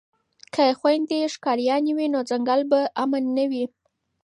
که خویندې ښکاریانې وي نو ځنګل به امن نه وي.